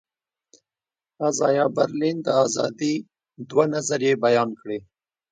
ازایا برلین د آزادي دوه نظریې بیان کړې.